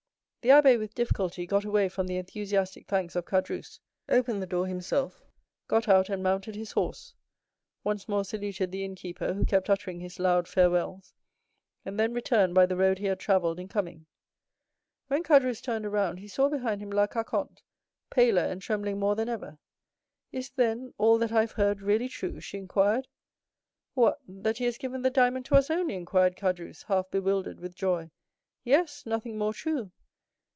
The abbé with difficulty got away from the enthusiastic thanks of Caderousse, opened the door himself, got out and mounted his horse, once more saluted the innkeeper, who kept uttering his loud farewells, and then returned by the road he had travelled in coming. When Caderousse turned around, he saw behind him La Carconte, paler and trembling more than ever. "Is, then, all that I have heard really true?" she inquired. "What? That he has given the diamond to us only?" inquired Caderousse, half bewildered with joy; "yes, nothing more true!